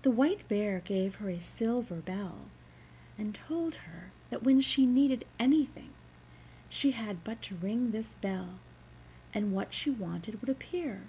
The White Bear gave her a silver bell, and told her that when she needed anything she had but to ring this bell, and what she wanted would appear.